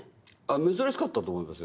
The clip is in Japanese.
珍しかったと思いますよ。